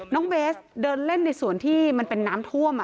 เบสเดินเล่นในส่วนที่มันเป็นน้ำท่วม